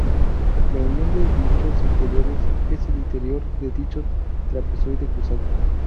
La unión de dichos interiores es el "interior" de dicho trapezoide cruzado.